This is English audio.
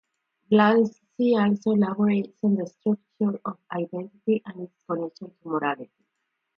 Blasi also elaborates on the structure of identity and its connection to morality.